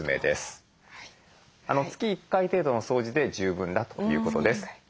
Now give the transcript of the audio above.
月１回程度の掃除で十分だということです。